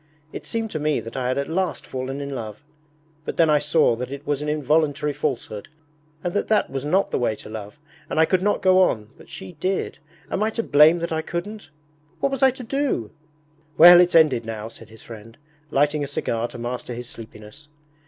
It seemed to me that I had at last fallen in love, but then I saw that it was an involuntary falsehood, and that that was not the way to love, and I could not go on, but she did. Am I to blame that I couldn't? What was I to do?' 'Well, it's ended now!' said his friend, lighting a cigar to master his sleepiness.